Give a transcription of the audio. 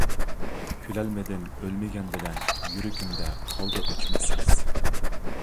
كۈلەلمىدىم ئۆلمىگەن بىلەن، يۈرىكىمدە قالدى ئۆچمەس ئىز!